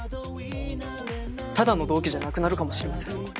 ただの同期じゃなくなるかもしれません。